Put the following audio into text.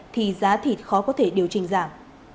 thì giá thịt khó có thể điều trình giảm